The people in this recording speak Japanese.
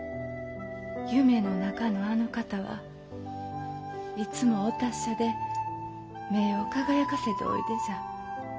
夢の中のあの方はいつもお達者で目を輝かせておいでじゃ。